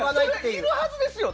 いるはずですよ。